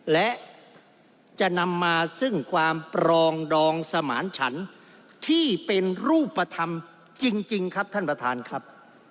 และจะนำมาซึ่งความปรองดองสมานฉันที่เป็นรูปธรรมจริงครับท่านประธานครับ